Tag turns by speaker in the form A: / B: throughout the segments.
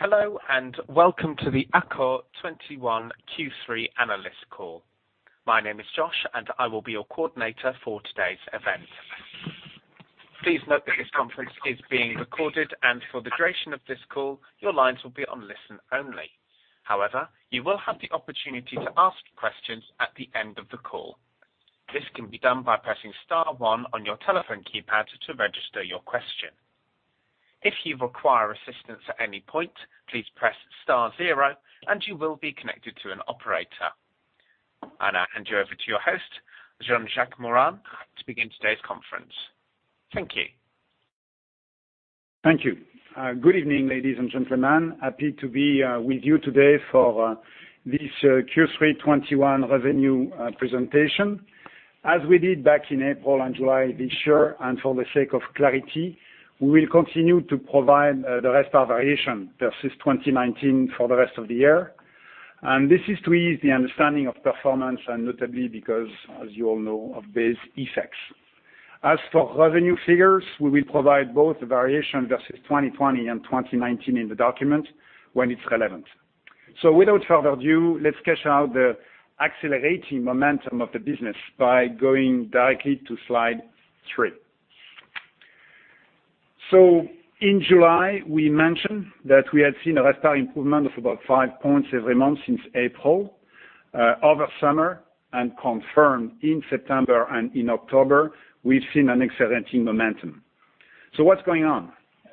A: Hello and welcome to the Accor 21Q3 Analyst Call. My name is Josh, and I will be your coordinator for today's event. Please note that this conference is being recorded, and for the duration of this call, your lines will be on listen-only. However, you will have the opportunity to ask questions at the end of the call. This can be done by pressing star one on your telephone keypad to register your question. If you require assistance at any point, please press star zero, and you will be connected to an operator. And I hand you over to your host, Jean-Jacques Morin, to begin today's conference. Thank you.
B: Thank you. Good evening, ladies and gentlemen. Happy to be with you today for this Q3 2021 revenue presentation. As we did back in April and July this year, and for the sake of clarity, we will continue to provide the RevPAR variation versus 2019 for the rest of the year, and this is to ease the understanding of performance, and notably because, as you all know, of these effects. As for revenue figures, we will provide both variation versus 2020 and 2019 in the document when it's relevant, so without further ado, let's cash out the accelerating momentum of the business by going directly to slide three, so in July, we mentioned that we had seen a RevPAR improvement of about five points every month since April, over summer, and confirmed in September and in October, we've seen an accelerating momentum, so what's going on?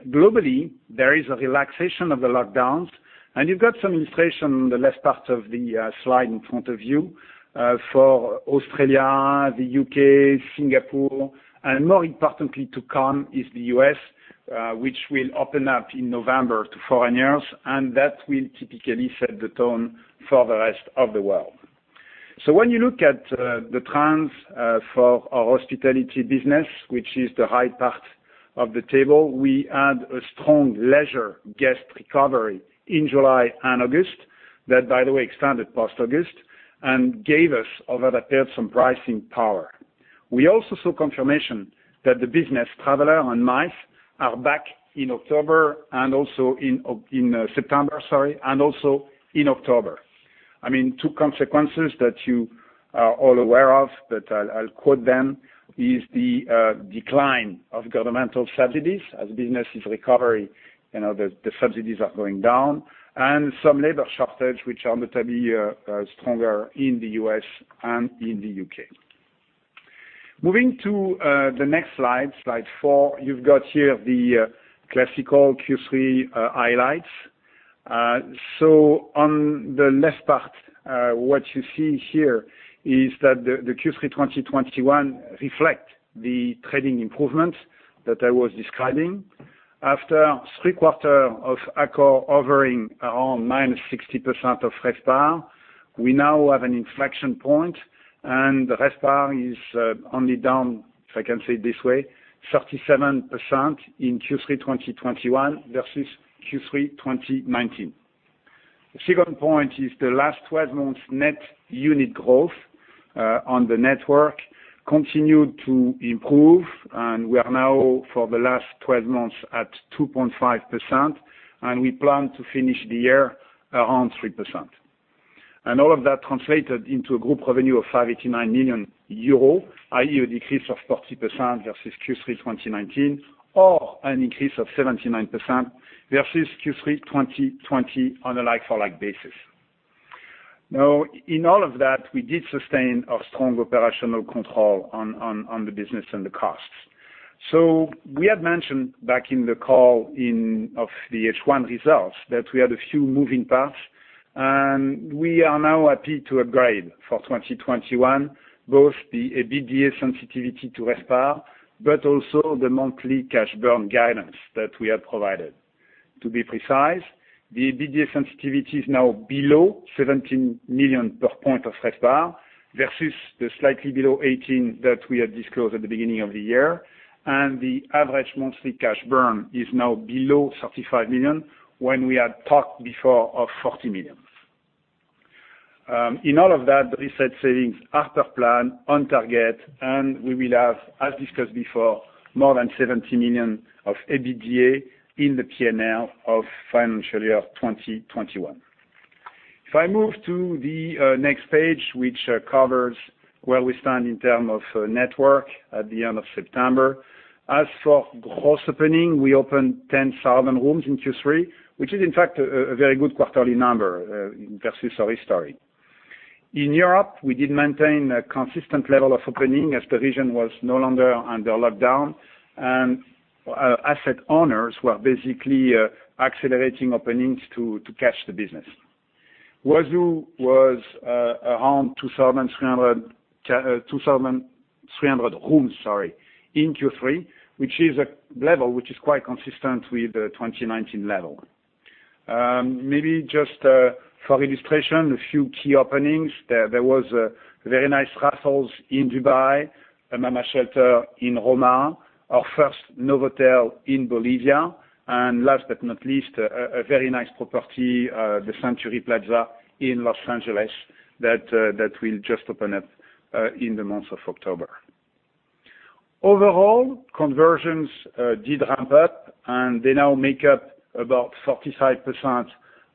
B: Globally, there is a relaxation of the lockdowns, and you've got some illustration on the left part of the slide in front of you for Australia, the U.K., Singapore, and more importantly to come is the U.S., which will open up in November to foreigners, and that will typically set the tone for the rest of the world. So when you look at the trends for our hospitality business, which is the right part of the table, we had a strong leisure guest recovery in July and August that, by the way, expanded post-August and gave us, over that period, some pricing power. We also saw confirmation that the business traveler and MICE are back in October and also in September, sorry, and also in October. I mean, two consequences that you are all aware of, but I'll quote them, is the decline of governmental subsidies as business recovers, and the subsidies are going down, and some labor shortage, which are notably stronger in the U.S. and in the U.K. Moving to the next slide, slide four, you've got here the classical Q3 highlights. So on the left part, what you see here is that the Q3 2021 reflects the trading improvement that I was describing. After three quarters of Accor hovering around -60% RevPAR, we now have an inflection point, and the RevPAR is only down, if I can say it this way, 37% in Q3 2021 versus Q3 2019. The second point is the last 12 months Net Unit Growth on the network continued to improve, and we are now, for the last 12 months, at 2.5%, and we plan to finish the year around 3%. And all of that translated into a group revenue of €589 million, i.e., a decrease of 40% versus Q3 2019, or an increase of 79% versus Q3 2020 on a like-for-like basis. Now, in all of that, we did sustain a strong operational control on the business and the costs. So we had mentioned back in the call of the H1 results that we had a few moving parts, and we are now happy to upgrade for 2021 both the EBITDA sensitivity to RevPAR, but also the monthly Cash Burn guidance that we had provided. To be precise, the EBITDA sensitivity is now below 17 million per point of RevPAR versus the slightly below 18 that we had disclosed at the beginning of the year, and the average monthly Cash Burn is now below 35 million when we had talked before of 40 million. In all of that, the RESET savings are per plan on target, and we will have, as discussed before, more than 70 million of EBITDA in the P&L of financial year 2021. If I move to the next page, which covers where we stand in terms of network at the end of September, as for gross opening, we opened 10,000 rooms in Q3, which is, in fact, a very good quarterly number versus our history. In Europe, we did maintain a consistent level of opening as the region was no longer under lockdown, and asset owners were basically accelerating openings to catch the business. Huazhu was around 2,300 rooms, sorry, in Q3, which is a level which is quite consistent with the 2019 level. Maybe just for illustration, a few key openings. There was a very nice Raffles in Dubai, a Mama Shelter in Rome, our first Novotel in Bolivia, and last but not least, a very nice property, the Fairmont Century Plaza in Los Angeles that we just opened up in the month of October. Overall, conversions did ramp up, and they now make up about 45%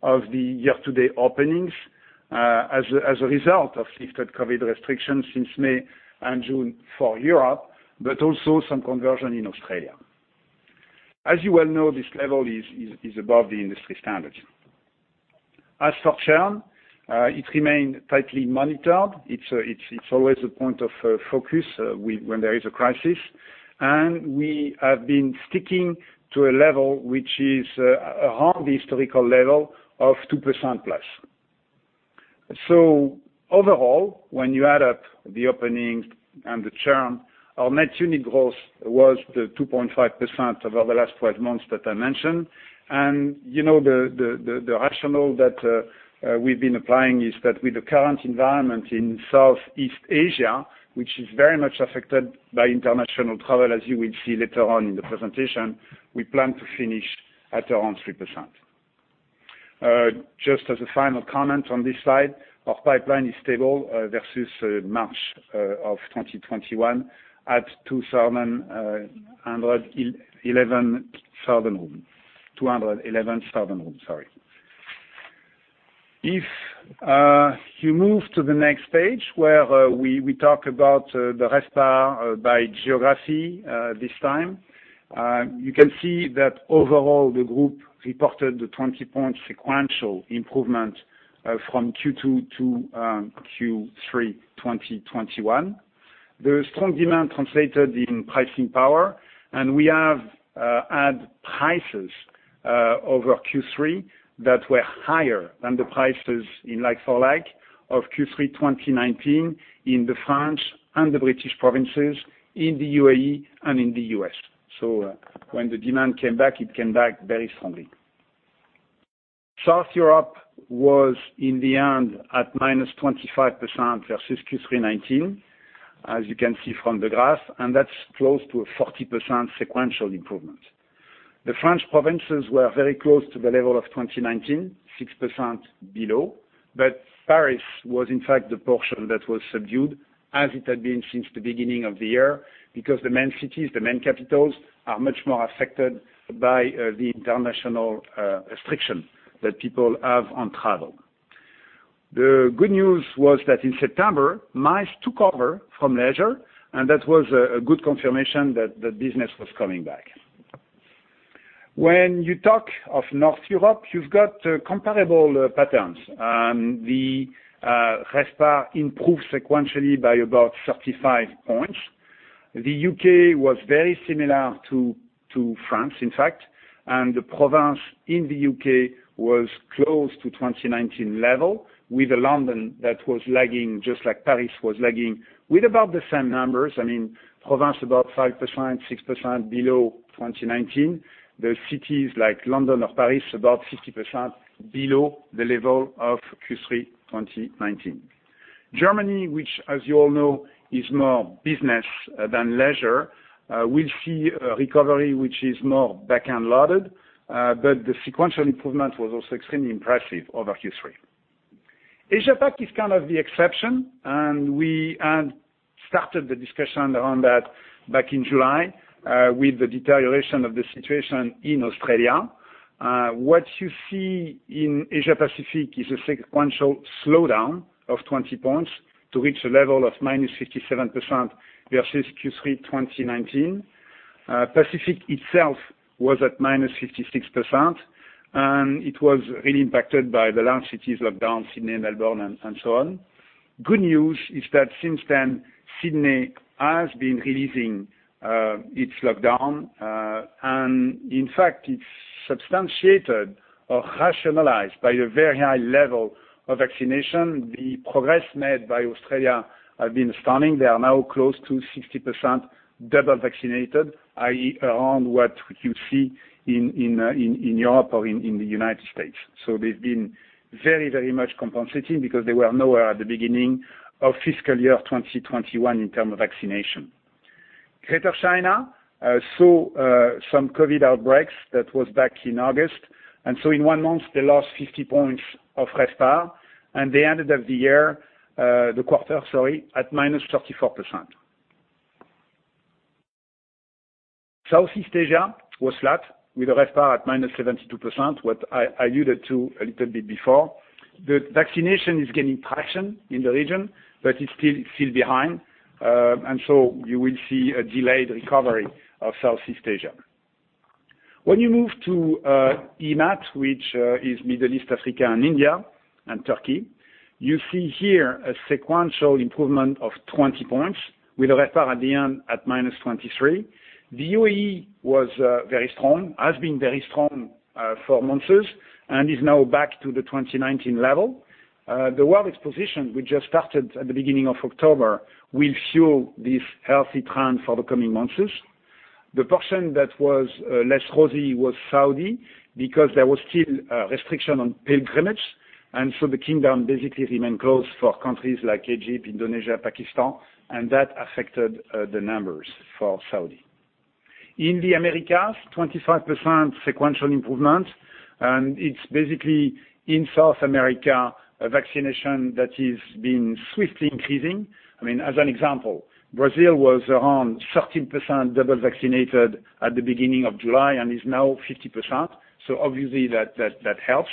B: of the year-to-date openings as a result of lifted COVID restrictions since May and June for Europe, but also some conversion in Australia. As you well know, this level is above the industry standards. As for churn, it remained tightly monitored. It's always a point of focus when there is a crisis, and we have been sticking to a level which is around the historical level of 2% plus. So overall, when you add up the openings and the churn, our Net Unit Growth was 2.5% over the last 12 months that I mentioned. And the rationale that we've been applying is that with the current environment in Southeast Asia, which is very much affected by international travel, as you will see later on in the presentation, we plan to finish at around 3%. Just as a final comment on this slide, our pipeline is stable versus March of 2021 at 211,000 rooms. Sorry. If you move to the next page where we talk about the RevPARs by geography this time, you can see that overall the group reported the 20-point sequential improvement from Q2 to Q3 2021. The strong demand translated in pricing power, and we have had prices over Q3 that were higher than the prices in like-for-like of Q3 2019 in the French and the British provinces, in the UAE, and in the US, so when the demand came back, it came back very strongly. South Europe was in the end at minus 25% versus Q3 2019, as you can see from the graph, and that's close to a 40% sequential improvement. The French provinces were very close to the level of 2019, 6% below, but Paris was, in fact, the portion that was subdued as it had been since the beginning of the year because the main cities, the main capitals are much more affected by the international restriction that people have on travel. The good news was that in September, MICE took over from leisure, and that was a good confirmation that the business was coming back. When you talk of Northern Europe, you've got comparable patterns. The RevPARs improved sequentially by about 35 points. The UK was very similar to France, in fact, and the province in the UK was close to 2019 level with a London that was lagging just like Paris was lagging with about the same numbers. I mean, province about 5%, 6% below 2019. The cities like London or Paris about 50% below the level of Q3 2019. Germany, which, as you all know, is more business than leisure, will see a recovery which is more back-end loaded, but the sequential improvement was also extremely impressive over Q3. Asia-Pac is kind of the exception, and we had started the discussion around that back in July with the deterioration of the situation in Australia. What you see in Asia-Pacific is a sequential slowdown of 20 points to reach a level of minus 57% versus Q3 2019. Pacific itself was at minus 56%, and it was really impacted by the large cities lockdown, Sydney, Melbourne, and so on. Good news is that since then, Sydney has been releasing its lockdown, and in fact, it's substantiated or rationalized by a very high level of vaccination. The progress made by Australia has been astounding. They are now close to 60% double vaccinated, i.e., around what you see in Europe or in the United States. So they've been very, very much compensating because they were nowhere at the beginning of fiscal year 2021 in terms of vaccination. Greater China saw some COVID outbreaks that was back in August, and so in one month, they lost 50 points of RevPAR, and they ended up the year, the quarter, sorry, at minus 34%. Southeast Asia was flat with a RevPAR at minus 72%, what I alluded to a little bit before. The vaccination is gaining traction in the region, but it's still behind, and so you will see a delayed recovery of Southeast Asia. When you move to EMAT, which is Middle East, Africa, and India and Turkey, you see here a sequential improvement of 20 points with a RevPAR at the end at minus 23. The UAE was very strong, has been very strong for months, and is now back to the 2019 level. The world exposition, which just started at the beginning of October, will fuel this healthy trend for the coming months. The portion that was less rosy was Saudi because there was still restriction on pilgrimage, and so the kingdom basically remained closed for countries like Egypt, Indonesia, Pakistan, and that affected the numbers for Saudi. In the Americas, 25% sequential improvement, and it's basically in South America vaccination that is being swiftly increasing. I mean, as an example, Brazil was around 13% double vaccinated at the beginning of July and is now 50%, so obviously that helps.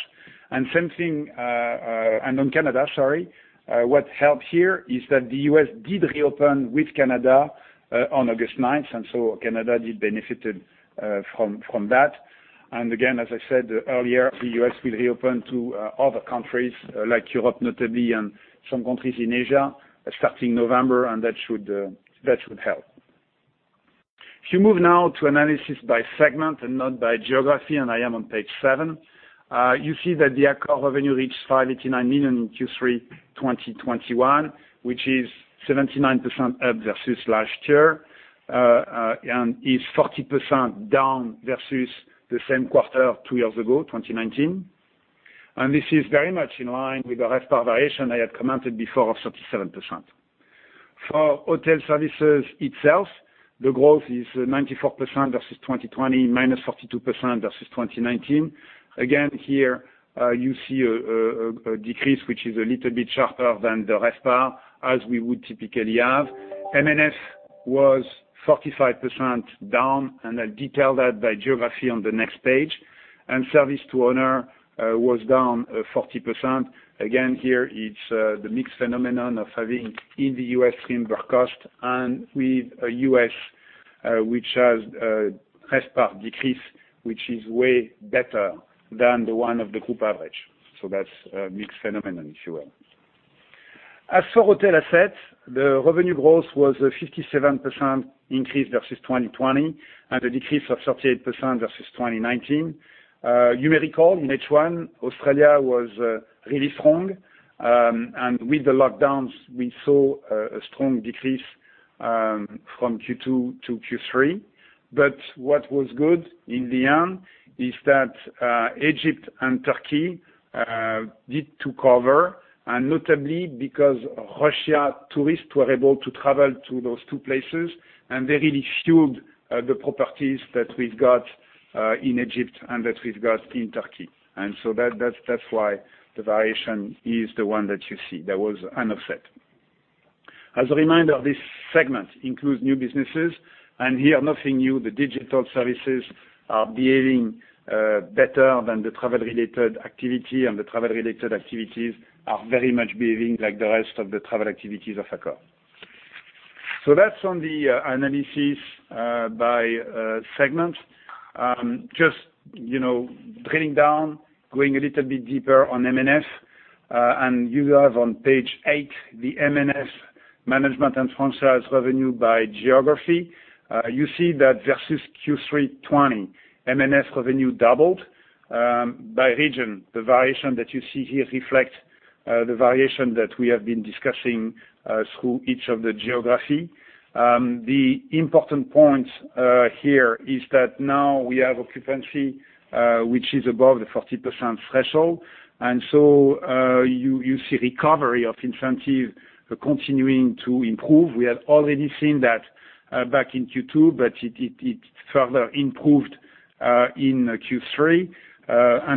B: And on Canada, sorry, what helped here is that the US did reopen with Canada on August 9th, and so Canada did benefit from that. Again, as I said earlier, the US will reopen to other countries like Europe, notably, and some countries in Asia starting November, and that should help. If you move now to analysis by segment and not by geography, and I am on page seven, you see that the Accor revenue reached 589 million in Q3 2021, which is 79% up versus last year and is 40% down versus the same quarter two years ago, 2019. This is very much in line with the RevPAR variation I had commented before of 37%. For hotel services itself, the growth is 94% versus 2020, -42% versus 2019. Again, here you see a decrease which is a little bit sharper than the RevPAR as we would typically have. M&F was 45% down, and I'll detail that by geography on the next page. Service to owner was down 40%. Again, here it's the mixed phenomenon of having in the U.S. stream per cost and with a U.S. which has RevPAR decrease, which is way better than the one of the group average. That's a mixed phenomenon, if you will. As for Hotel Assets, the revenue growth was a 57% increase versus 2020 and a decrease of 38% versus 2019. You may recall in H1, Australia was really strong, and with the lockdowns, we saw a strong decrease from Q2 to Q3. What was good in the end is that Egypt and Turkey did recover, and notably because Russian tourists were able to travel to those two places, and they really fueled the properties that we've got in Egypt and that we've got in Turkey. That's why the variation is the one that you see that was not offset. As a reminder, this segment includes new businesses, and here nothing new. The digital services are behaving better than the travel-related activity, and the travel-related activities are very much behaving like the rest of the travel activities of Accor. So that's on the analysis by segments. Just drilling down, going a little bit deeper on M&S, and you have on page eight the M&S management and franchise revenue by geography. You see that versus Q3 2020, M&S revenue doubled. By region, the variation that you see here reflects the variation that we have been discussing through each of the geography. The important point here is that now we have occupancy, which is above the 40% threshold, and so you see recovery of incentive continuing to improve. We had already seen that back in Q2, but it further improved in Q3.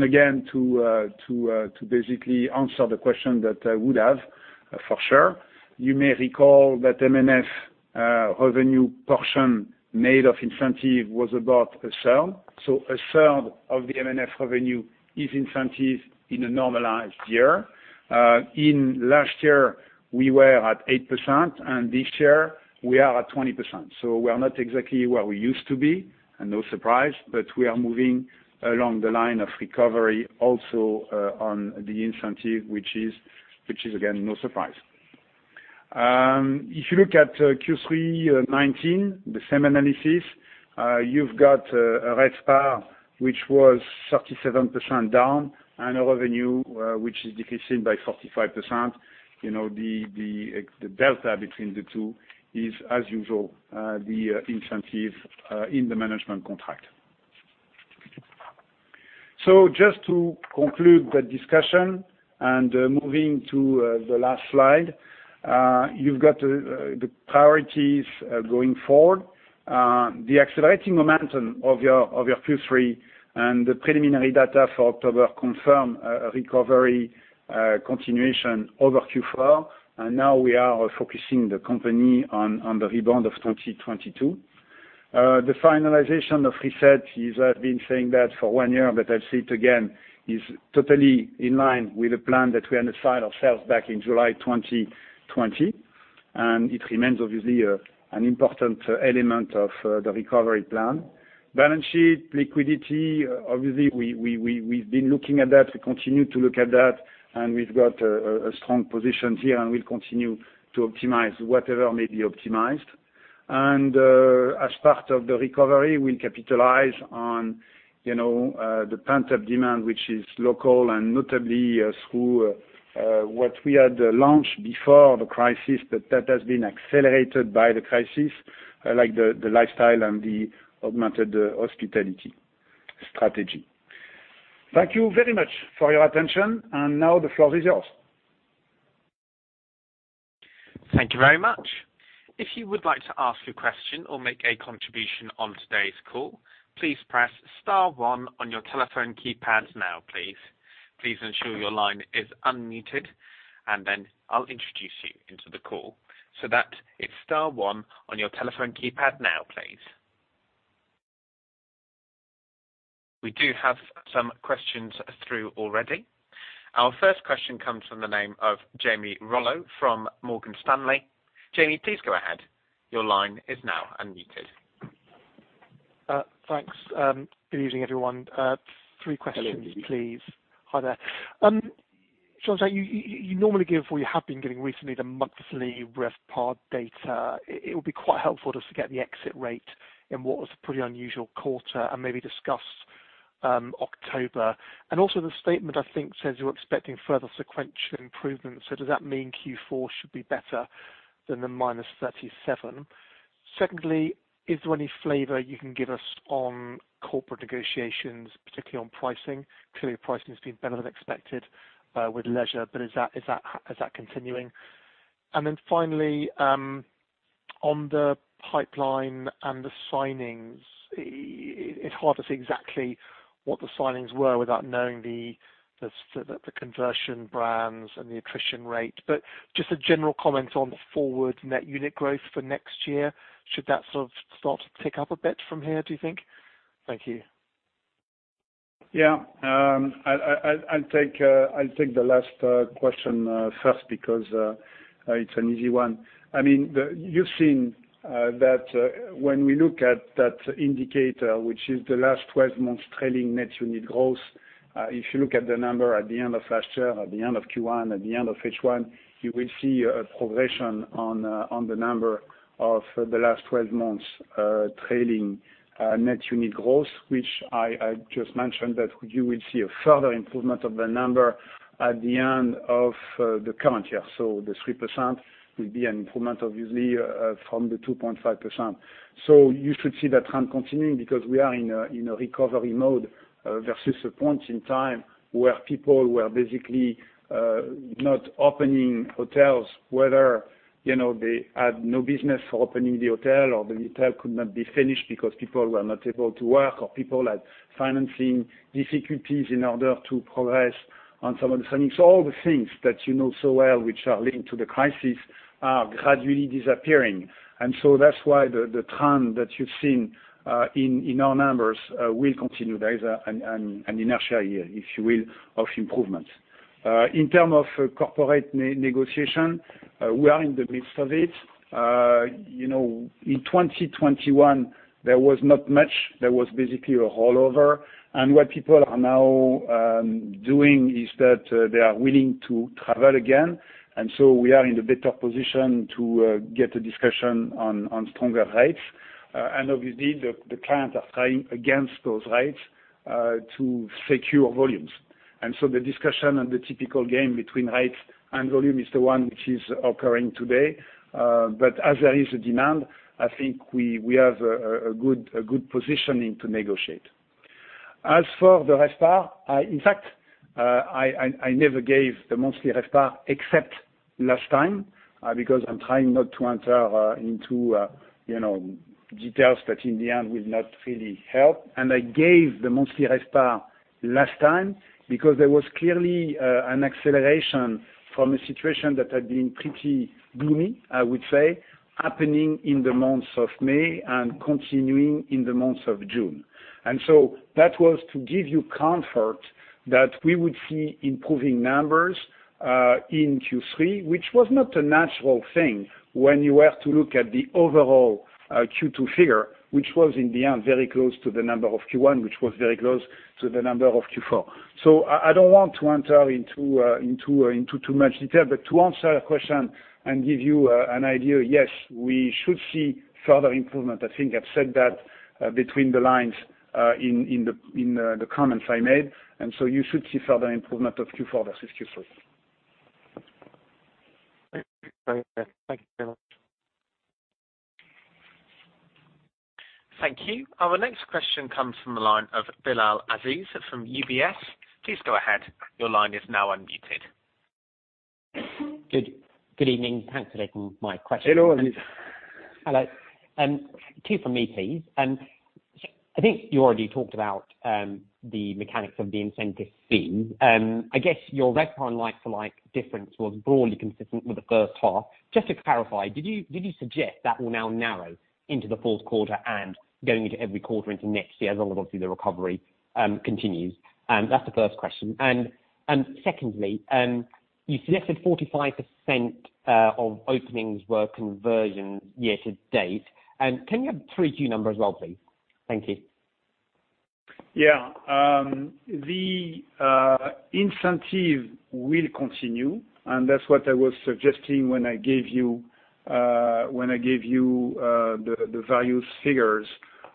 B: Again, to basically answer the question that I would have for sure, you may recall that M&S revenue portion made of incentive was about a third. A third of the M&S revenue is incentive in a normalized year. In last year, we were at 8%, and this year we are at 20%. We are not exactly where we used to be, and no surprise, but we are moving along the line of recovery also on the incentive, which is, again, no surprise. If you look at Q3 2019, the same analysis, you've got a RevPAR which was 37% down and a revenue which is decreasing by 45%. The delta between the two is, as usual, the incentive in the management contract. Just to conclude the discussion and moving to the last slide, you've got the priorities going forward. The accelerating momentum of your Q3 and the preliminary data for October confirm recovery continuation over Q4, and now we are focusing the company on the rebound of 2022. The finalization of RESET is, I've been saying that for one year, but I'll say it again, is totally in line with the plan that we had assigned ourselves back in July 2020, and it remains obviously an important element of the recovery plan. Balance sheet, liquidity, obviously we've been looking at that. We continue to look at that, and we've got a strong position here, and we'll continue to optimize whatever may be optimized, and as part of the recovery, we'll capitalize on the pent-up demand, which is local and notably through what we had launched before the crisis, but that has been accelerated by the crisis, like the Lifestyle and the Augmented Hospitality strategy. Thank you very much for your attention, and now the floor is yours.
A: Thank you very much. If you would like to ask a question or make a contribution on today's call, please press star one on your telephone keypad now, please. Please ensure your line is unmuted, and then I'll introduce you into the call. So that is star one on your telephone keypad now, please. We do have some questions through already. Our first question comes from the name of Jamie Rollo from Morgan Stanley. Jamie, please go ahead. Your line is now unmuted.
C: Thanks. Good evening, everyone. Three questions, please. Hi there. John, you normally give or you have been giving recently the monthly RevPAR data. It would be quite helpful just to get the exit rate in what was a pretty unusual quarter and maybe discuss October. And also the statement, I think, says you're expecting further sequential improvements. So does that mean Q4 should be better than the -37%? Secondly, is there any flavor you can give us on corporate negotiations, particularly on pricing? Clearly, pricing has been better than expected with leisure, but is that continuing? And then finally, on the pipeline and the signings, it's hard to say exactly what the signings were without knowing the conversion brands and the attrition rate. But just a general comment on forward Net Unit Growth for next year. Should that sort of start to tick up a bit from here, do you think? Thank you.
B: Yeah. I'll take the last question first because it's an easy one. I mean, you've seen that when we look at that indicator, which is the last 12 months' trailing Net Unit Growth, if you look at the number at the end of last year, at the end of Q1, at the end of H1, you will see a progression on the number of the last 12 months' trailing Net Unit Growth, which I just mentioned that you will see a further improvement of the number at the end of the current year. So the 3% will be an improvement, obviously, from the 2.5%. So you should see that trend continuing because we are in a recovery mode versus a point in time where people were basically not opening hotels, whether they had no business for opening the hotel or the hotel could not be finished because people were not able to work or people had financing difficulties in order to progress on some of the signings. So all the things that you know so well, which are linked to the crisis, are gradually disappearing. And so that's why the trend that you've seen in our numbers will continue. There is an inertia, if you will, of improvement. In terms of corporate negotiation, we are in the midst of it. In 2021, there was not much. There was basically a rollover. And what people are now doing is that they are willing to travel again, and so we are in a better position to get a discussion on stronger rates. And obviously, the clients are trying against those rates to secure volumes. And so the discussion and the typical game between rates and volume is the one which is occurring today. But as there is a demand, I think we have a good positioning to negotiate. As for the RevPAR, in fact, I never gave the monthly RevPAR except last time because I'm trying not to enter into details that in the end will not really help. And I gave the monthly RevPAR last time because there was clearly an acceleration from a situation that had been pretty gloomy, I would say, happening in the months of May and continuing in the months of June. That was to give you comfort that we would see improving numbers in Q3, which was not a natural thing when you were to look at the overall Q2 figure, which was in the end very close to the number of Q1, which was very close to the number of Q4. I don't want to enter into too much detail, but to answer your question and give you an idea, yes, we should see further improvement. I think I've said that between the lines in the comments I made. You should see further improvement of Q4 versus Q3.
C: Thank you very much.
A: Thank you. Our next question comes from the line of Bilal Aziz from UBS. Please go ahead. Your line is now unmuted.
D: Good evening. Thanks for taking my question.
C: Hello and hello.
D: Two from me, please. I think you already talked about the mechanics of the incentive theme. I guess your RevPAR and like-for-like difference was broadly consistent with the first half. Just to clarify, did you suggest that will now narrow into the fourth quarter and going into every quarter into next year as long as obviously the recovery continues? That's the first question. And secondly, you suggested 45% of openings were conversions year to date. Can you have 3Q numbers as well, please? Thank you.
B: Yeah. The incentive will continue, and that's what I was suggesting when I gave you the various figures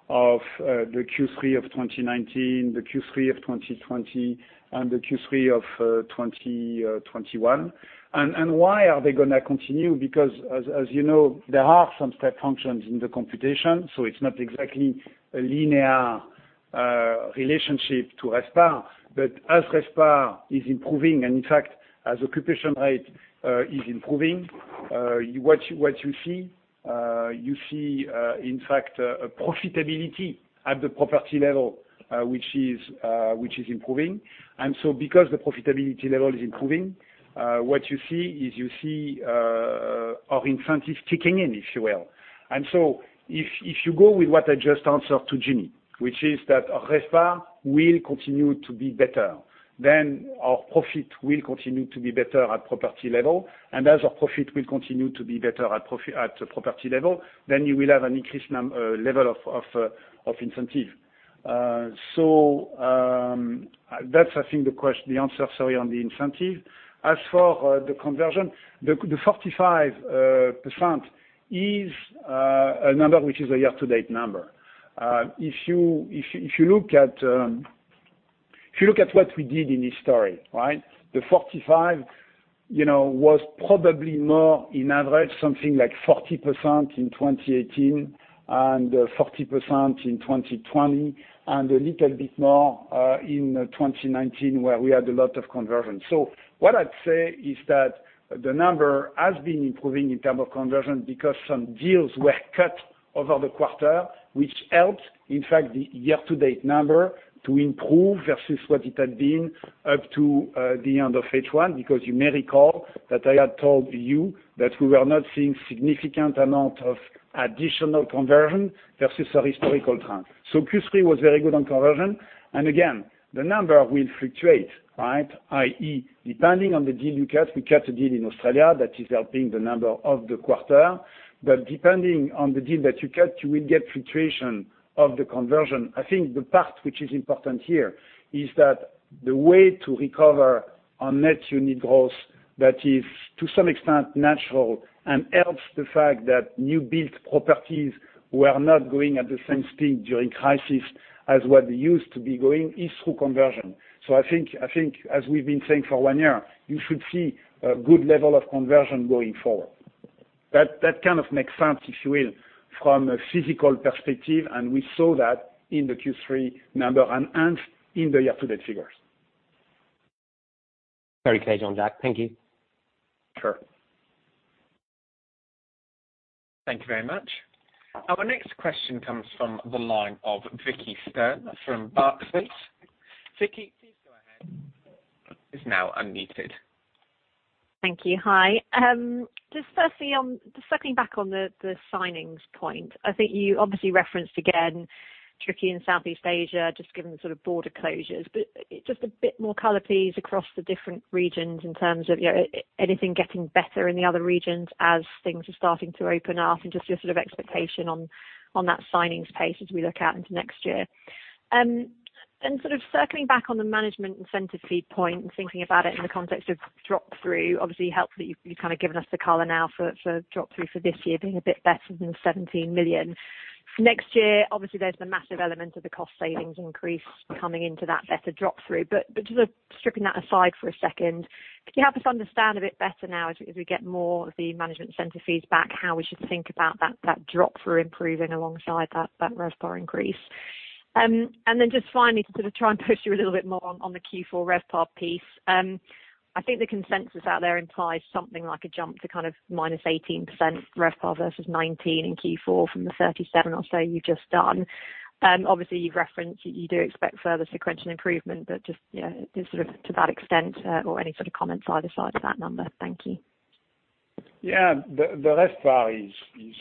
B: of the Q3 of 2019, the Q3 of 2020, and the Q3 of 2021. And why are they going to continue? Because, as you know, there are some step functions in the computation, so it's not exactly a linear relationship to RevPAR. But as RevPAR is improving, and in fact, as occupation rate is improving, what you see, you see in fact a profitability at the property level which is improving. And so because the profitability level is improving, what you see is you see our incentives kicking in, if you will. And so if you go with what I just answered to Jimmy, which is that RevPAR will continue to be better, then our profit will continue to be better at property level. As our profit will continue to be better at property level, then you will have an increased level of incentive. That's, I think, the answer, sorry, on the incentive. As for the conversion, the 45% is a number which is a year-to-date number. If you look at what we did in history, right, the 45 was probably more in average, something like 40% in 2018 and 40% in 2020, and a little bit more in 2019 where we had a lot of conversions. So what I'd say is that the number has been improving in terms of conversion because some deals were cut over the quarter, which helped, in fact, the year-to-date number to improve versus what it had been up to the end of H1 because you may recall that I had told you that we were not seeing a significant amount of additional conversion versus our historical trend. So Q3 was very good on conversion. And again, the number will fluctuate, right? I.e., depending on the deal you cut, we cut a deal in Australia that is helping the number of the quarter. But depending on the deal that you cut, you will get fluctuation of the conversion. I think the part which is important here is that the way to recover on Net Unit Growth that is to some extent natural and helps the fact that new-built properties were not going at the same speed during crisis as what they used to be going is through conversion. So I think, as we've been saying for one year, you should see a good level of conversion going forward. That kind of makes sense, if you will, from a physical perspective, and we saw that in the Q3 number and in the year-to-date figures.
D: Very clear, Jean-Jacques. Thank you.
B: Sure.
A: Thank you very much. Our next question comes from the line of Vicki Stern from Barclays. Vicki, please go ahead. Is now unmuted.
E: Thank you. Hi. Just circling back on the signings point, I think you obviously referenced again Turkey and Southeast Asia just given the sort of border closures, but just a bit more color, please, across the different regions in terms of anything getting better in the other regions as things are starting to open up and just your sort of expectation on that signings pace as we look out into next year, and sort of circling back on the Management Incentive Fee point and thinking about it in the context of Drop-Through, obviously help that you've kind of given us the color now for Drop-Through for this year being a bit better than the 17 million. Next year, obviously, there's the massive element of the cost savings increase coming into that better Drop-Through. But just stripping that aside for a second, can you help us understand a bit better now as we get more of the Management Incentive Fees back, how we should think about that Drop-Through improving alongside that RevPAR increase? And then just finally, to sort of try and push you a little bit more on the Q4 RevPAR piece, I think the consensus out there implies something like a jump to kind of minus 18% RevPAR versus 19% in Q4 from the 37% or so you've just done. Obviously, you've referenced you do expect further sequential improvement, but just sort of to that extent or any sort of comments either side of that number? Thank you.
B: Yeah. The RevPAR is,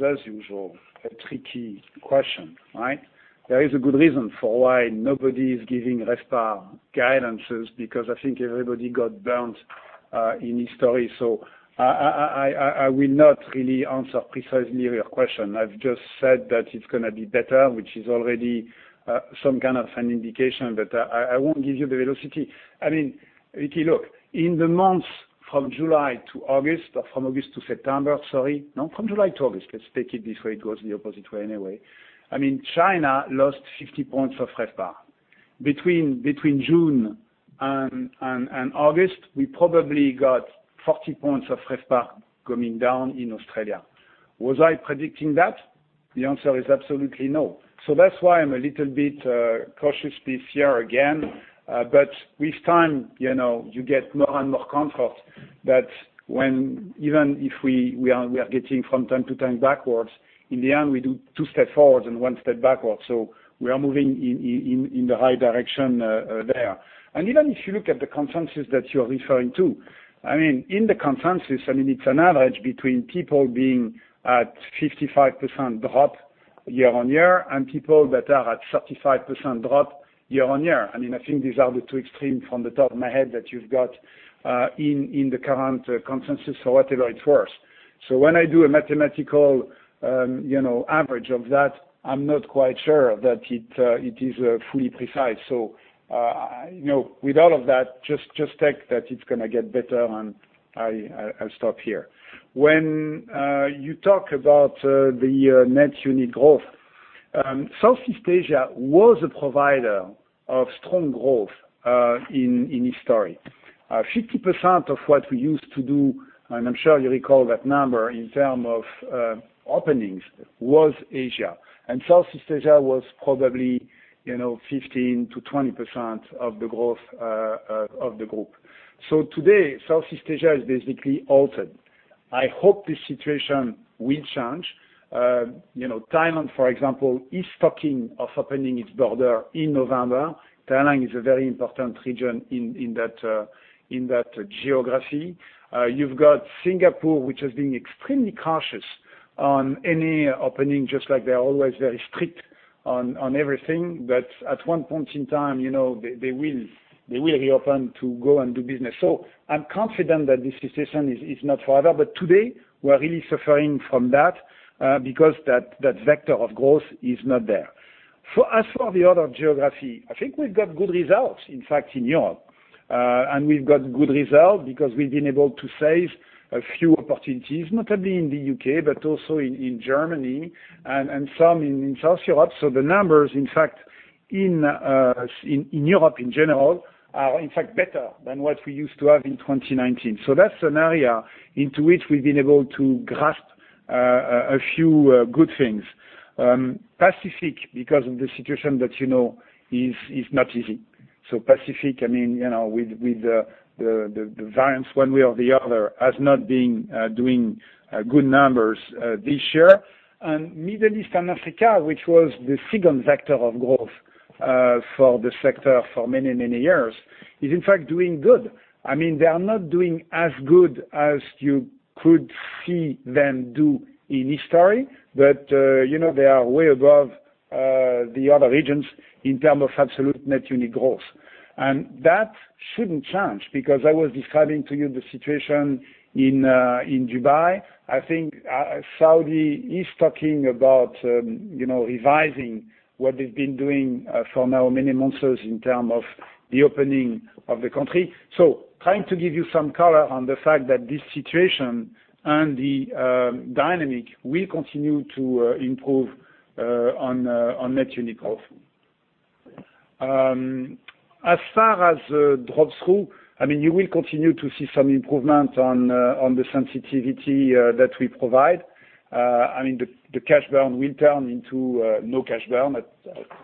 B: as usual, a tricky question, right? There is a good reason for why nobody is giving RevPAR guidances because I think everybody got burnt in history. So I will not really answer precisely your question. I've just said that it's going to be better, which is already some kind of an indication, but I won't give you the velocity. I mean, Vicki, look, in the months from July to August or from August to September, sorry, no, from July to August, let's take it this way. It goes the opposite way anyway. I mean, China lost 50 points of RevPAR. Between June and August, we probably got 40 points of RevPAR coming down in Australia. Was I predicting that? The answer is absolutely no. So that's why I'm a little bit cautious this year again. But with time, you get more and more comfort that even if we are getting from time to time backwards, in the end, we do two steps forward and one step backwards. So we are moving in the right direction there. And even if you look at the consensus that you're referring to, I mean, in the consensus, I mean, it's an average between people being at 55% drop year on year and people that are at 35% drop year on year. I mean, I think these are the two extremes from the top of my head that you've got in the current consensus or whatever it's worth. So when I do a mathematical average of that, I'm not quite sure that it is fully precise. So with all of that, just take that it's going to get better and I'll stop here. When you talk about the Net Unit Growth, Southeast Asia was a provider of strong growth historically. 50% of what we used to do, and I'm sure you recall that number in terms of openings, was Asia, and Southeast Asia was probably 15%-20% of the growth of the group, so today, Southeast Asia is basically halted. I hope this situation will change. Thailand, for example, is stocking or opening its border in November. Thailand is a very important region in that geography. You've got Singapore, which has been extremely cautious on any opening, just like they're always very strict on everything, but at one point in time, they will reopen to go and do business. So I'm confident that this situation is not forever, but today, we're really suffering from that because that vector of growth is not there. As for the other geography, I think we've got good results, in fact, in Europe, and we've got good results because we've been able to save a few opportunities, notably in the U.K., but also in Germany and some in Southern Europe, so the numbers, in fact, in Europe in general are, in fact, better than what we used to have in 2019, so that's an area into which we've been able to grasp a few good things, Asia-Pacific, because of the situation that you know, is not easy, so Asia-Pacific, I mean, with the variance one way or the other, has not been doing good numbers this year, and Middle East and Africa, which was the second vector of growth for the sector for many, many years, is in fact doing good. I mean, they are not doing as good as you could see them do in history, but they are way above the other regions in terms of absolute Net Unit Growth, and that shouldn't change because I was describing to you the situation in Dubai. I think Saudi is talking about revising what they've been doing for now many months in terms of the opening of the country, so trying to give you some color on the fact that this situation and the dynamic will continue to improve on Net Unit Growth. As far as Drop-Through, I mean, you will continue to see some improvement on the sensitivity that we provide. I mean, the Cash Burn will turn into no Cash Burn at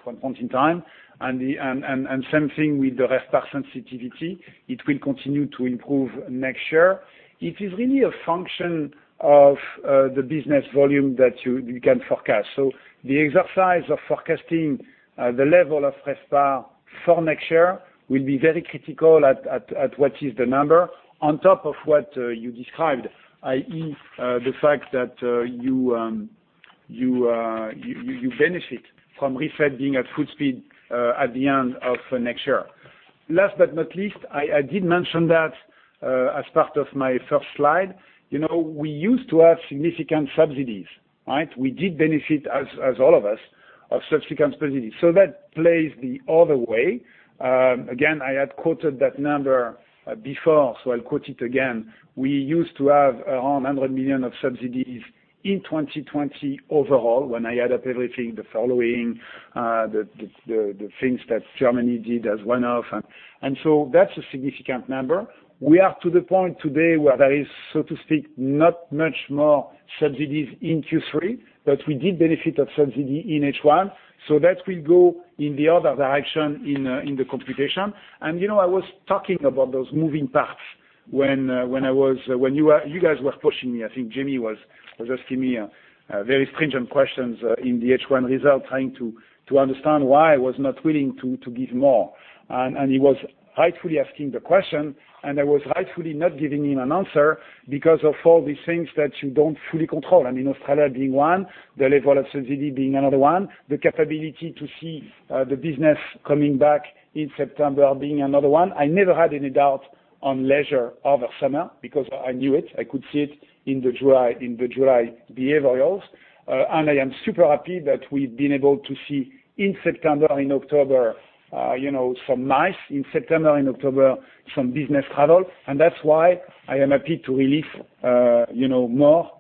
B: one point in time, and same thing with the RevPAR sensitivity. It will continue to improve next year. It is really a function of the business volume that you can forecast. So the exercise of forecasting the level o fRevPARs for next year will be very critical at what is the number on top of what you described, i.e., the fact that you benefit from refed being at full speed at the end of next year. Last but not least, I did mention that as part of my first slide. We used to have significant subsidies, right? We did benefit, as all of us, of substantial subsidies. So that plays the other way. Again, I had quoted that number before, so I'll quote it again. We used to have around 100 million of subsidies in 2020 overall when I add up everything, the following, the things that Germany did as one-off, and so that's a significant number. We are to the point today where there is, so to speak, not much more subsidies in Q3, but we did benefit of subsidy in H1. So that will go in the other direction in the computation. I was talking about those moving parts when you guys were pushing me. I think Jamie was asking me very stringent questions in the H1 result, trying to understand why I was not willing to give more. He was rightfully asking the question, and I was rightfully not giving him an answer because of all these things that you don't fully control. I mean, Australia being one, the level of subsidy being another one, the capability to see the business coming back in September being another one. I never had any doubt on leisure over summer because I knew it. I could see it in the July behaviorals. I am super happy that we've been able to see in September, in October, some MICE. In September, in October, some business travel. That's why I am happy to release more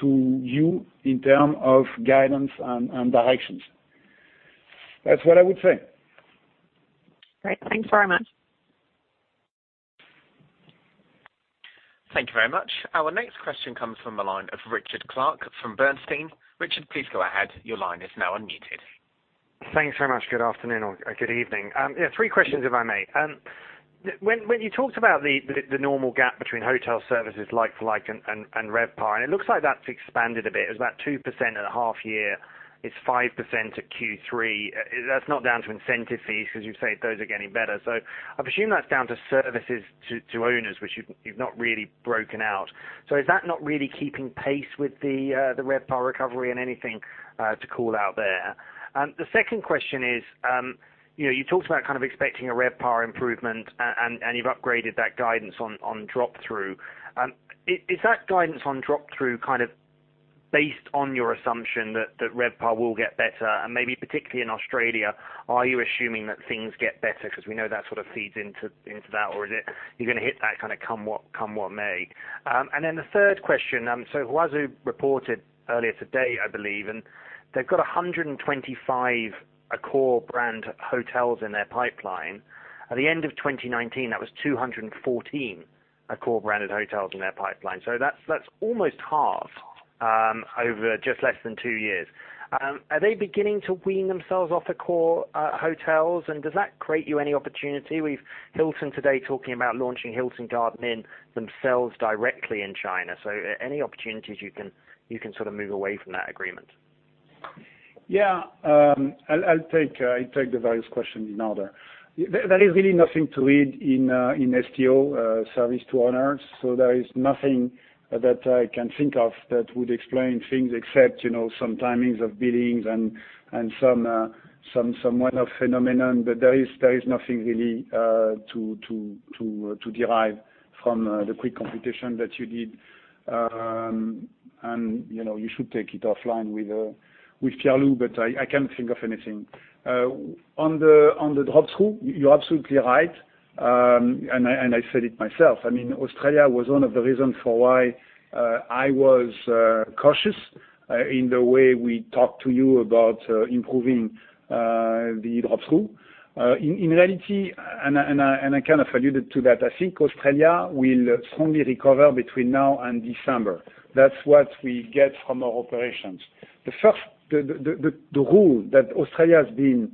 B: to you in terms of guidance and directions. That's what I would say.
E: Great. Thanks very much.
A: Thank you very much. Our next question comes from the line of Richard Clarke from Bernstein. Richard, please go ahead. Your line is now unmuted.
D: Thanks very much. Good afternoon or good evening. Yeah, three questions, if I may. When you talked about the normal gap between hotel services like for like and RevPAR, it looks like that's expanded a bit. It was about 2% in a half year. It's 5% at Q3. That's not down to incentive fees because you've said those are getting better. So I've assumed that's down to Services to Owners, which you've not really broken out. So is that not really keeping pace with the RevPAR recovery and anything to call out there? The second question is you talked about kind of expecting a RevPAR improvement, and you've upgraded that guidance on Drop-Through. Is that guidance on Drop-Through kind of based on your assumption that RevPAR will get better? Maybe particularly in Australia, are you assuming that things get better because we know that sort of feeds into that, or is it you're going to hit that kind of come what may? And then the third question, so Huazhu reported earlier today, I believe, and they've got 125 Accor brand hotels in their pipeline. At the end of 2019, that was 214 Accor branded hotels in their pipeline. So that's almost half over just less than two years. Are they beginning to wean themselves off Accor hotels, and does that create you any opportunity? We've Hilton today talking about launching Hilton Garden Inn themselves directly in China. So any opportunities you can sort of move away from that agreement? Yeah. I'll take the various questions in order. There is really nothing to read in STO, Services to Owners. There is nothing that I can think of that would explain things except some timings of billings and some one-off phenomenon. There is nothing really to derive from the quick computation that you did. You should take it offline with Pierre-Loup, but I can't think of anything. On the Drop-Through, you're absolutely right. I said it myself. I mean, Australia was one of the reasons for why I was cautious in the way we talked to you about improving the Drop-Through. In reality, and I kind of alluded to that, I think Australia will strongly recover between now and December. That's what we get from our operations. The rule that Australia has been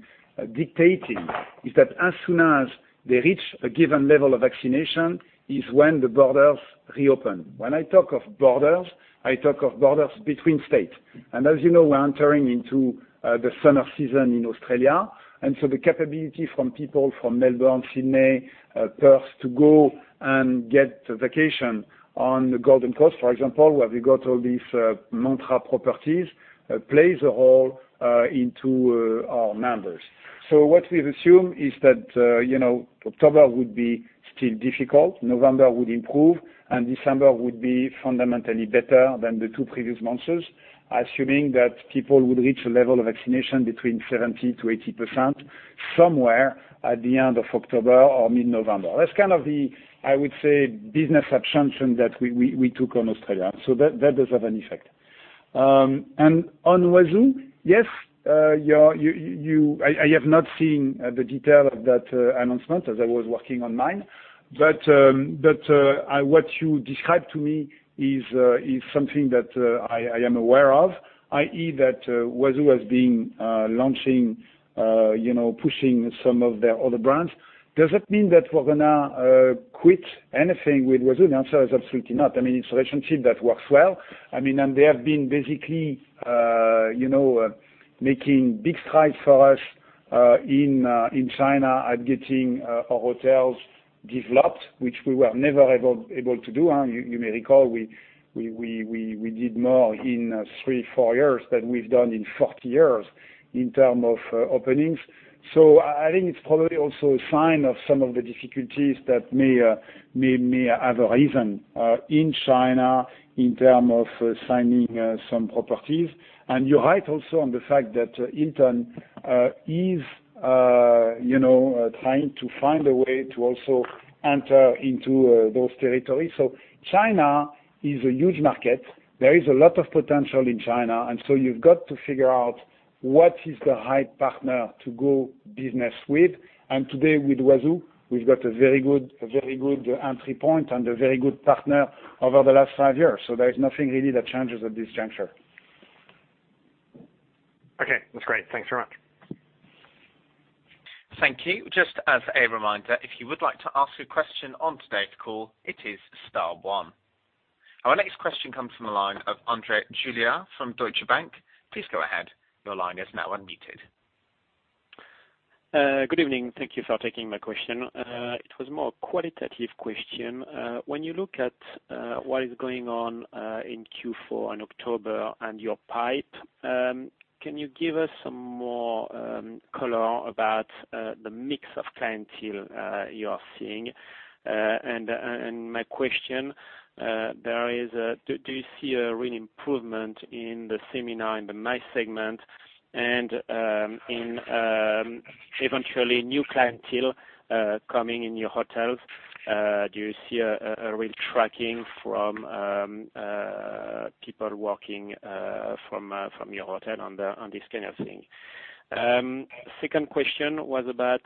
D: dictating is that as soon as they reach a given level of vaccination is when the borders reopen. When I talk of borders, I talk of borders between states. As you know, we're entering into the summer season in Australia. And so the capability from people from Melbourne, Sydney, Perth to go and get a vacation on the Gold Coast, for example, where we got all these Mantra properties, plays a role into our numbers. So what we've assumed is that October would be still difficult, November would improve, and December would be fundamentally better than the two previous months, assuming that people would reach a level of vaccination between 70%-80% somewhere at the end of October or mid-November. That's kind of the, I would say, business abstraction that we took on Australia. So that does have an effect. And on Huazhu, yes, I have not seen the detail of that announcement as I was working on mine. But what you described to me is something that I am aware of, i.e., that Huazhu has been launching, pushing some of their other brands. Does that mean that we're going to quit anything with Huazhu? The answer is absolutely not. I mean, it's a relationship that works well. I mean, and they have been basically making big strides for us in China at getting our hotels developed, which we were never able to do. You may recall we did more in three, four years than we've done in 40 years in terms of openings. So I think it's probably also a sign of some of the difficulties that may have arisen in China in terms of signing some properties. And you're right also on the fact that Hilton is trying to find a way to also enter into those territories. So China is a huge market. There is a lot of potential in China, and so you've got to figure out what is the right partner to go business with, and today, with Huazhu, we've got a very good entry point and a very good partner over the last five years, so there is nothing really that changes at this juncture. Okay. That's great. Thanks very much.
A: Thank you. Just as a reminder, if you would like to ask a question on today's call, it is star one. Our next question comes from the line of André Juillard from Deutsche Bank. Please go ahead. Your line is now unmuted.
F: Good evening. Thank you for taking my question. It was more a qualitative question. When you look at what is going on in Q4 in October and your pipeline, can you give us some more color about the mix of clientele you are seeing? And my question, do you see a real improvement in the seminar and the MICE segment and in eventually new clientele coming in your hotels? Do you see a real traction from people working from your hotel on this kind of thing? Second question was about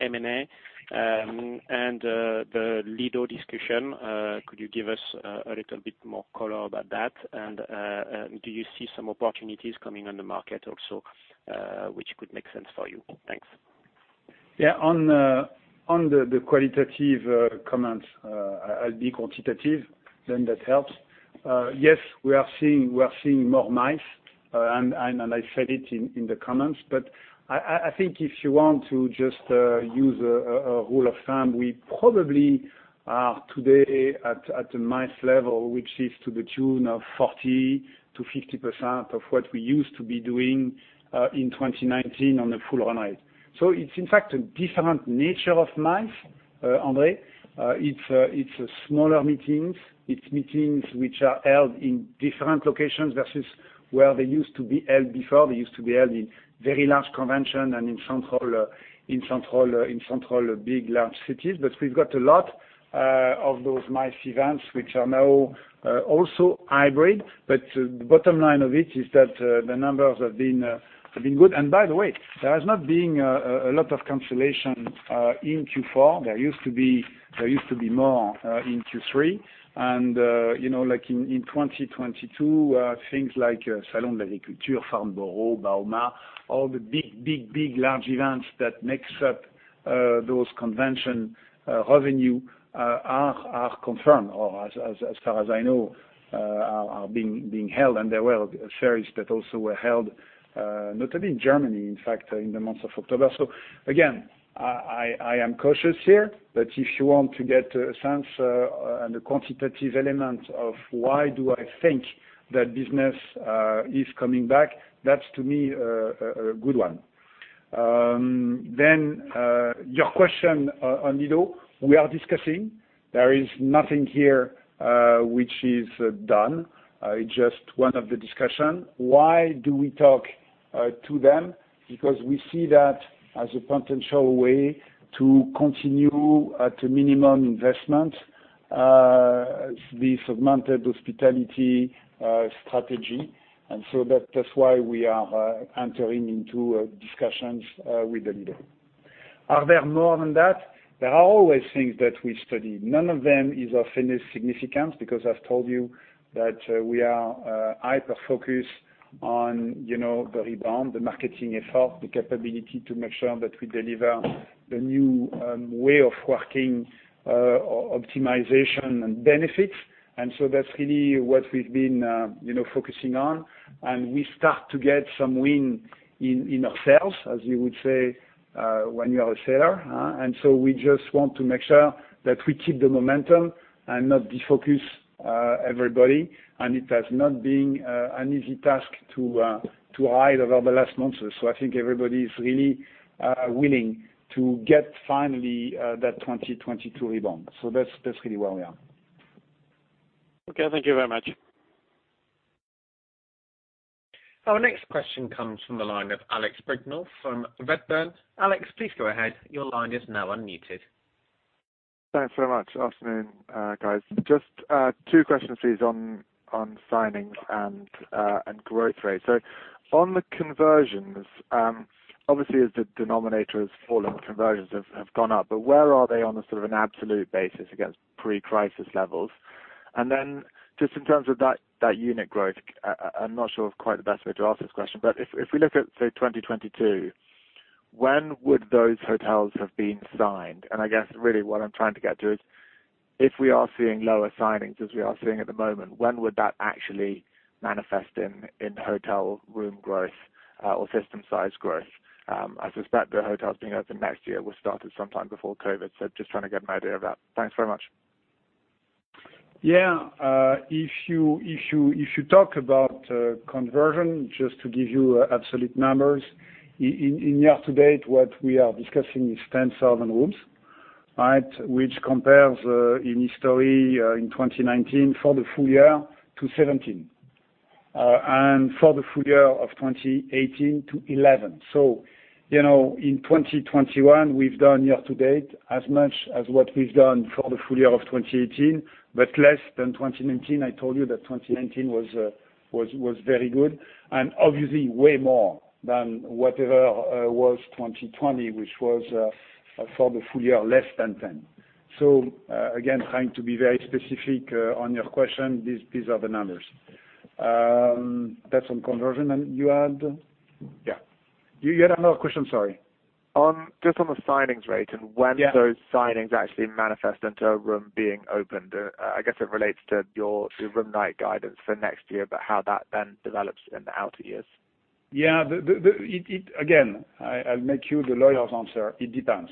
F: M&A and the Lido discussion. Could you give us a little bit more color about that? And do you see some opportunities coming on the market also, which could make sense for you? Thanks.
B: Yeah. On the qualitative comments, I'll be quantitative, then that helps. Yes, we are seeing more MICE, and I said it in the comments, but I think if you want to just use a rule of thumb, we probably are today at the MICE level, which is to the tune of 40%-50% of what we used to be doing in 2019 on a full run rate, so it's in fact a different nature of MICE, André. It's smaller meetings. It's meetings which are held in different locations versus where they used to be held before. They used to be held in very large conventions and in central big, large cities, but we've got a lot of those MICE events which are now also hybrid, but the bottom line of it is that the numbers have been good. And by the way, there has not been a lot of cancellation in Q4. There used to be more in Q3. And like in 2022, things like Salon de l'Agriculture, Farnborough, Bauma, all the big, big, big, large events that make up those convention revenues are confirmed, or as far as I know, are being held. And there were several that also were held, not only in Germany, in fact, in the months of October. So again, I am cautious here. But if you want to get a sense and a quantitative element of why do I think that business is coming back, that's to me a good one. Then your question on Lido, we are discussing. There is nothing here which is done. It's just one of the discussions. Why do we talk to them? Because we see that as a potential way to continue to minimize investment, the segmented hospitality strategy. And so that's why we are entering into discussions with the Lido. However, more than that, there are always things that we study. None of them is of any significance because I've told you that we are hyper-focused on the rebound, the marketing effort, the capability to make sure that we deliver a new way of working, optimization, and benefits. And so that's really what we've been focusing on. And we start to get some wind in our sails, as you would say, when you are a sailor. And so we just want to make sure that we keep the momentum and not defocus everybody. And it has not been an easy task to ride out the last months. So I think everybody is really willing to get finally that 2022 rebound. So that's really where we are. Okay. Thank you very much. Our next question comes from the line of Alex Brignall from Redburn. Alex, please go ahead. Your line is now unmuted. Thanks very much. Afternoon, guys. Just two questions, please, on signings and growth rates. So on the conversions, obviously, as the denominator has fallen, conversions have gone up. But where are they on a sort of an absolute basis against pre-crisis levels? And then just in terms of that unit growth, I'm not sure quite the best way to ask this question. But if we look at, say, 2022, when would those hotels have been signed? And I guess really what I'm trying to get to is if we are seeing lower signings as we are seeing at the moment, when would that actually manifest in hotel room growth or system size growth? I suspect the hotels being open next year were started sometime before COVID. So just trying to get an idea of that. Thanks very much.
G: Yeah. If you talk about conversion, just to give you absolute numbers, in year to date, what we are discussing is 10,000 rooms, right, which compares in history in 2019 for the full year to 2017 and for the full year of 2018 to 2011. So in 2021, we've done year to date as much as what we've done for the full year of 2018, but less than 2019. I told you that 2019 was very good and obviously way more than whatever was 2020, which was for the full year less than 10. So again, trying to be very specific on your question, these are the numbers. That's on conversion. And you had? Yeah. You had another question, sorry.
B: Just on the signings rate and when those signings actually manifest into a room being opened. I guess it relates to your room night guidance for next year about how that then develops in the outer years. Yeah. Again, I'll make you the lawyer's answer. It depends.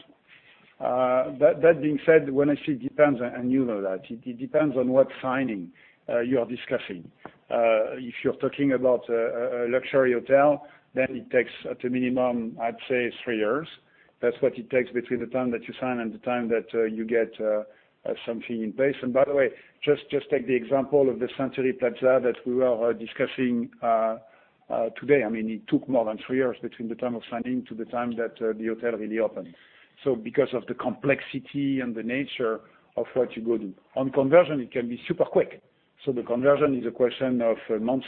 B: That being said, when I say it depends, and you know that, it depends on what signing you are discussing. If you're talking about a luxury hotel, then it takes at a minimum, I'd say, three years. That's what it takes between the time that you sign and the time that you get something in place. And by the way, just take the example of the Century Plaza that we were discussing today. I mean, it took more than three years between the time of signing to the time that the hotel really opened. So because of the complexity and the nature of what you go do. On conversion, it can be super quick.
F: So the conversion is a question of months,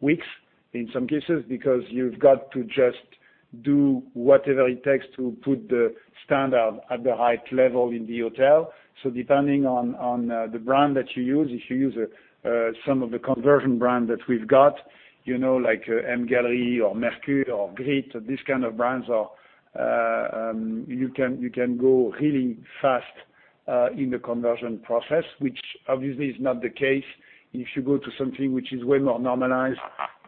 F: weeks in some cases, because you've got to just do whatever it takes to put the standard at the right level in the hotel. So depending on the brand that you use, if you use some of the conversion brands that we've got, like MGallery or Mercure or Greet, these kind of brands, you can go really fast in the conversion process, which obviously is not the case if you go to something which is way more normalized,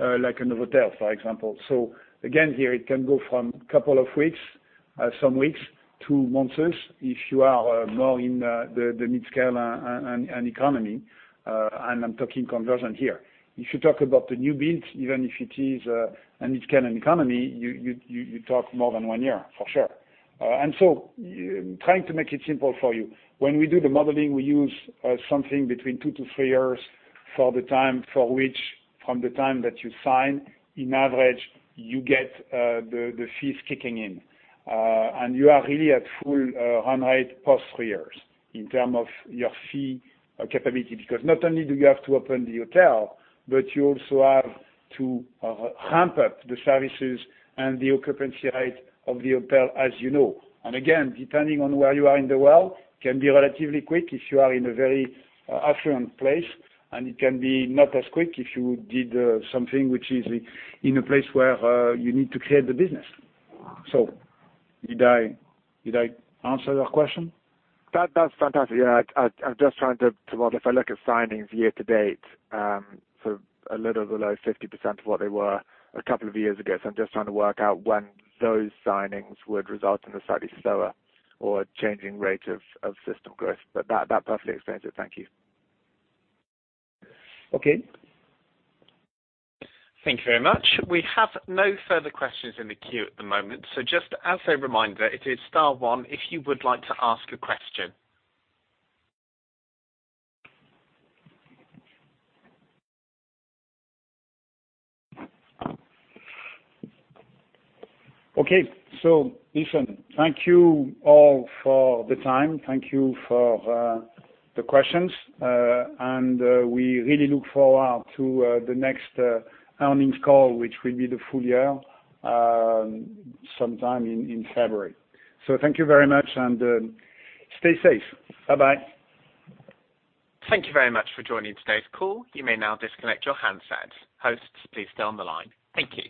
F: like a Novotel, for example. So again, here, it can go from a couple of weeks, some weeks, to months if you are more in the mid-scale and economy. And I'm talking conversion here. If you talk about the new build, even if it is a mid-scale and economy, you talk more than one year, for sure. And so, trying to make it simple for you. When we do the modeling, we use something between two to three years for the time for which, from the time that you sign, in average, you get the fees kicking in. And you are really at full run rate post three years in terms of your fee capability. Because not only do you have to open the hotel, but you also have to ramp up the services and the occupancy rate of the hotel, as you know. And again, depending on where you are in the world, it can be relatively quick if you are in a very affluent place. And it can be not as quick if you did something which is in a place where you need to create the business. So did I answer your question?
B: That's fantastic. Yeah. I'm just trying to modify. Look at signings year to date, sort of a little below 50% of what they were a couple of years ago. So I'm just trying to work out when those signings would result in a slightly slower or changing rate of system growth. But that perfectly explains it. Thank you. Okay.
A: Thank you very much. We have no further questions in the queue at the moment. So just as a reminder, it is star one if you would like to ask a question.
B: Okay. So listen, thank you all for the time. Thank you for the questions, and we really look forward to the next earnings call, which will be the Full Year sometime in February, so thank you very much, and stay safe. Bye-bye.
A: Thank you very much for joining today's call. You may now disconnect your handset. Hosts, please stay on the line. Thank you.